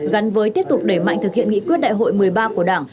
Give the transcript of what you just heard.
gắn với tiếp tục đẩy mạnh thực hiện nghị quyết đại hội một mươi ba của đảng